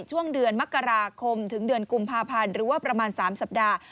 ช่วงเดือนมกราคมถึงเดือนกุมภาพันธ์หรือว่าประมาณ๓สัปดาห์